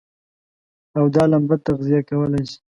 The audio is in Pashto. او دا لمبه تغذيه کولای شي.